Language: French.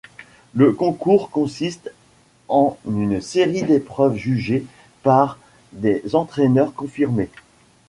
Le concours consiste en une série d'épreuves jugées par des entraîneurs confirmés.